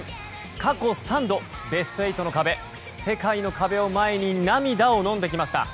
過去３度、ベスト８の壁世界の壁を前に涙をのんできました。